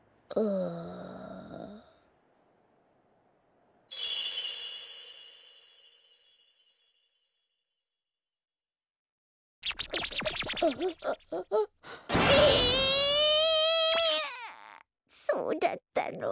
ああそうだったの。